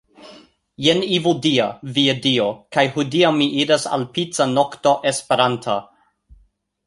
Jen Evildea. Via Dio. kaj hodiaŭ mi iras al pica nokto esperanta